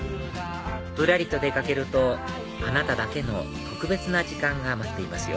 ぶらりと出掛けるとあなただけの特別な時間が待っていますよ